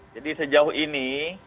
jadi sejauh ini